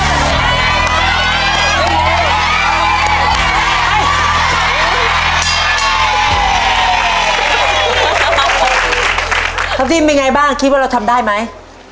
ครับทรัพย์ทีมเป็นไงบ้างคิดว่าเราทำได้ไหม